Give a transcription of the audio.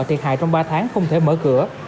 thiệt hại trong ba tháng không thể mở cửa